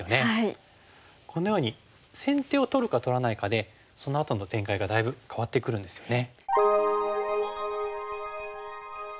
このように先手を取るか取らないかでそのあとの展開がだいぶ変わってくるんですよね。